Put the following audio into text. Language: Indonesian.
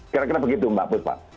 kira kira begitu mbak